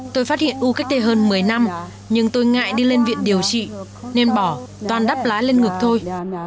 tôi phát hiện u cách đây hơn một mươi năm nhưng tôi ngại đi lên viện điều trị nên bỏ toàn đắp lá lên ngực thôi